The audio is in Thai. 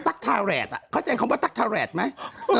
ตั๊กทะแหลดอะเขาเขียนคำว่าตั๊กทะแหลดไหม